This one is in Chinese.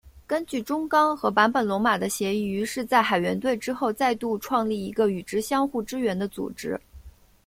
根据中冈和坂本龙马的协议于是在海援队之后再度创立一个与之相互支援的组织。